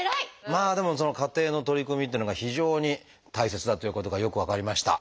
まあでもその家庭の取り組みっていうのが非常に大切だということがよく分かりました。